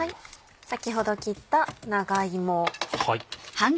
先ほど切った長芋。